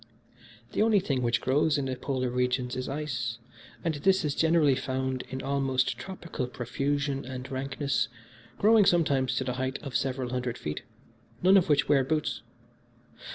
"The only thing which grows in the Polar regions is ice, and this is generally found in almost tropical profusion and rankness, growing sometimes to the height of several hundred feet, none of which wear boots.